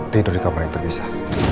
tidur di kamar yang terbisa